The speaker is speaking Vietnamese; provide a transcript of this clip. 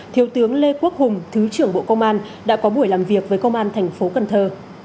thiếu tướng lê quốc hùng thứ trưởng bộ công an đã có buổi làm việc với công an thành phố cần thơ